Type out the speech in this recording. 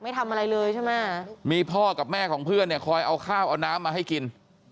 ไม่ทำอะไรเลยใช่ไหมมีพ่อกับแม่ของเพื่อนเนี่ยคอยเอาข้าวเอาน้ำมาให้กิน